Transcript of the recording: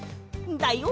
だよ！